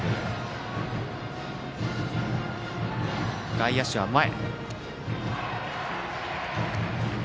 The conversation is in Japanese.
外野手は前。